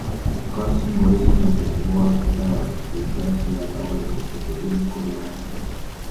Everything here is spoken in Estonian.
Castingu esimesest voorust edasipääsejad avalikustati filmi kodulehel.